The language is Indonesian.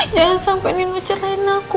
jangan sampai nino cerain aku